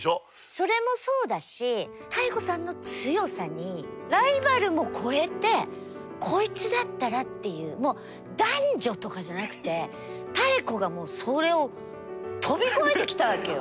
それもそうだし妙子さんの強さにライバルも超えてこいつだったらっていうもう男女とかじゃなくて妙子がもうそれを飛び越えてきたわけよ。